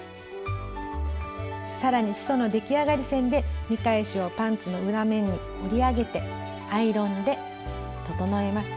更にすその出来上がり線で見返しをパンツの裏面に折り上げてアイロンで整えます。